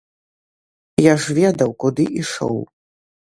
Я ж ведаў, куды ішоў.